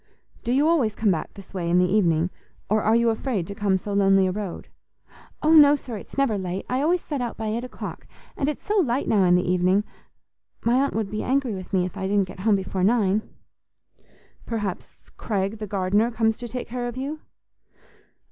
"Do you always come back this way in the evening, or are you afraid to come so lonely a road?" "Oh no, sir, it's never late; I always set out by eight o'clock, and it's so light now in the evening. My aunt would be angry with me if I didn't get home before nine." "Perhaps Craig, the gardener, comes to take care of you?"